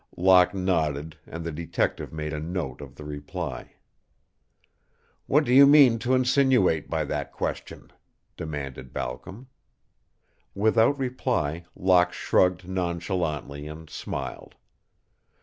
Locke nodded and the detective made a note of the reply. "What do you mean to insinuate by that question?" demanded Balcom. Without reply Locke shrugged nonchalantly and smiled.